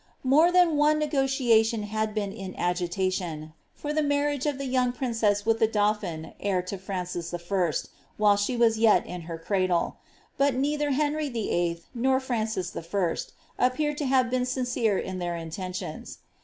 More than one negotiation had been in agitation, for the marriage of the young princess with the dauphin, heir to Francis I., while she was vet in her cradle ; but neither Henry VI II. nor Francis I. appear to have been sincere in their intentions.